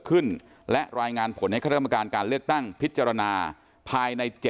ขึ้นและรายงานผลให้คณะกรรมการการเลือกตั้งพิจารณาภายใน๗